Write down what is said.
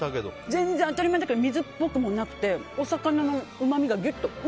全然、当たり前だけど水っぽくもなくてお魚のうまみがギュッと。